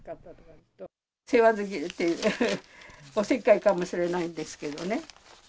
世話好きというか、おせっかいかもしれないんですけどね。